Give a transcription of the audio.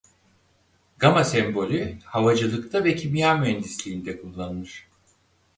Gama sembolü havacılıkta ve kimya mühendisliğinde kullanılır.